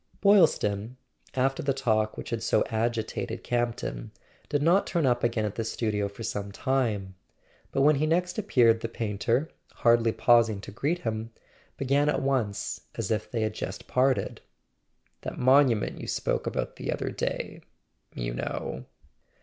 Boylston, after the talk which had so agitated Camp ton, did not turn up again at the studio for some time; but when he next appeared the painter, hardly pausing to greet him, began at once, as if they had just parted: "That monument you spoke about the other day ... you know.